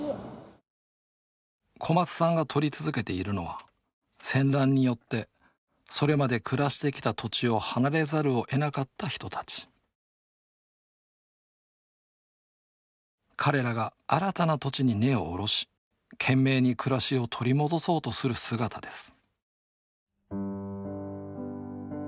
小松さんが撮り続けているのは戦乱によってそれまで暮らしてきた土地を離れざるをえなかった人たち彼らが新たな土地に根を下ろし懸命に暮らしを取り戻そうとする姿です